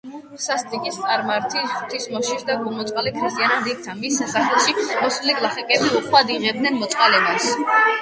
სასტიკი წარმართი ღვთისმოშიშ და გულმოწყალე ქრისტიანად იქცა, მის სასახლეში მისული გლახაკები უხვად იღებდნენ მოწყალებას.